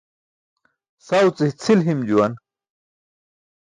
Saw ce cʰil him juwan.